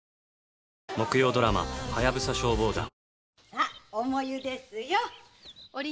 さあ重湯ですよ。